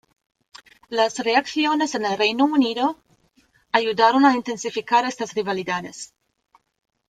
Las reacciones en el Reino Unido ayudaron a intensificar estas rivalidades.